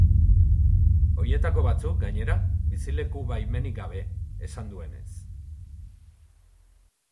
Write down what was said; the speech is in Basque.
Horietako batzuk, gainera, bizileku-baimenik gabe, esan duenez.